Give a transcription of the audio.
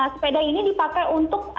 sepeda ini dipakai untuk